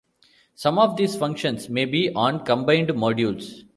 Some of these functions may be on combined modules.